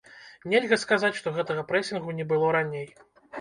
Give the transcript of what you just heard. Нельга сказаць, што гэтага прэсінгу не было раней.